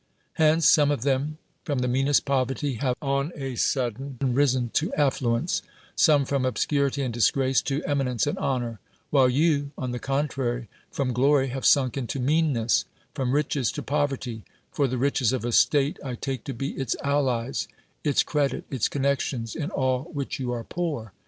Ilenee, some of thejn, from the meanest poverty, have on a sudden risen to aHkienee; some, from obscurity and disgrace, to eminence and honor; while yoi;, on the con trary, from glory, have sunk into meanness; from riches, to povei'ty; for the riches of a state r take to be its allies, its credit, its connections, in all which you are poor.